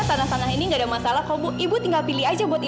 terus dia gak ambil janji